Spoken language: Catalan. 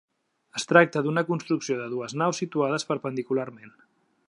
Es tracta d'una construcció de dues naus situades perpendicularment.